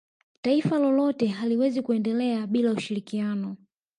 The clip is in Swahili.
taifa lolote haliwezi kuendelea bila ushirikiano